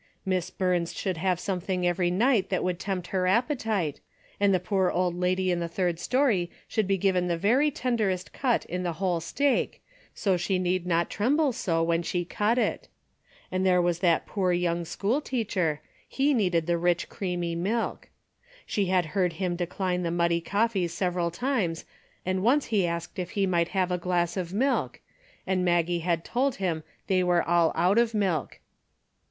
Miss Burns should have something every night that would tempt her appetite, and the poor old lady in the third story should be given the very ten derest cut in the whole steak, so she need not tremble so when she cut it. And there was that poor young school teacher, he needed rich creamy milk. She had heard him decline the muddy coffee several times and once he asked if he might have a glass of milk, and Maggie had told him they were all out of milk.